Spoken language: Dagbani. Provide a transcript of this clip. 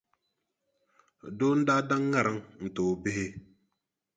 Doo n-daa da ŋariŋ n-ti o bihi.